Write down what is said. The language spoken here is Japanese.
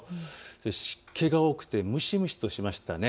湿気が多くて蒸し蒸しとしましたね。